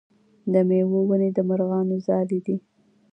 د میوو ونې د مرغانو ځالې دي.